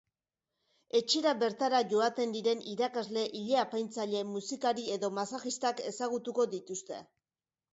Etxera bertara joaten diren irakasle, ileapaintzaile, musikari edo masajistak ezagutuko dituzte.